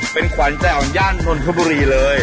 เป็นขวัญใจของย่านนทบุรีเลย